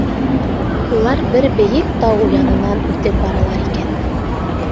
Улар бер бейек тау янынан үтеп баралар икән.